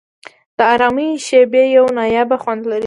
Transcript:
د آرامۍ شېبې یو نایابه خوند لري.